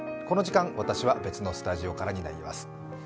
この時間、私は別のスタジオからになります。